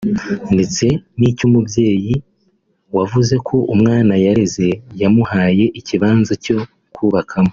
ndetse n’icy’umubyeyi wavuze ko umwana yareze yamuhaye ikibanza cyo kubakamo